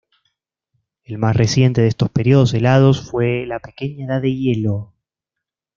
El más reciente de estos periodos helados fue la Pequeña Edad de Hielo.